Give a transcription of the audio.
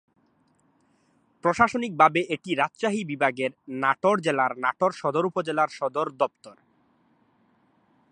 প্রশাসনিকভাবে এটি রাজশাহী বিভাগের নাটোর জেলার নাটোর সদর উপজেলার সদর দপ্তর।